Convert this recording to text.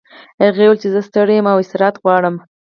هغې وویل چې زه ستړې یم او استراحت غواړم